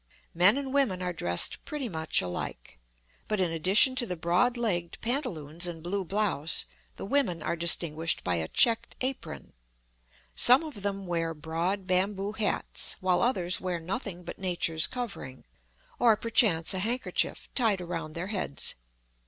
Men and women are dressed pretty much alike, but in addition to the broad legged pantaloons and blue blouse, the women are distinguished by a checked apron. Some of them wear broad bamboo hats, while others wear nothing but nature's covering, or perchance a handkerchief tied around their heads.